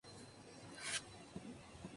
Actualmente es padre de Sara y Arturo.